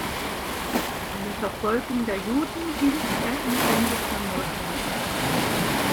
Eine Verfolgung der Juden hielt er im Grunde für notwendig.